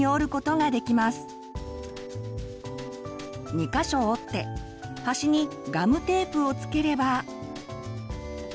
２か所折って端にガムテープを付ければ。